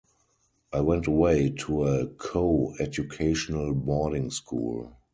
I went away to a co-educational boarding school.